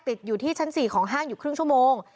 ติดอยู่ที่ชั้น๔ของห้างอยู่ครึ่งชั่วโมง